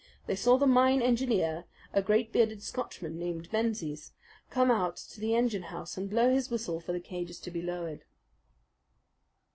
They saw the mine engineer, a great bearded Scotchman named Menzies, come out of the engine house and blow his whistle for the cages to be lowered.